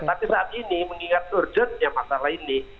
tapi saat ini mengingat urgentnya masalah ini